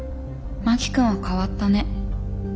真木君は変わったね。